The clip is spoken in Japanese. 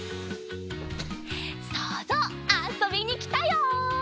そうぞうあそびにきたよ！